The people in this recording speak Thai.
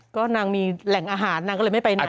ก็นางมีแหล่งอาหารนางก็เลยไม่ไปไหน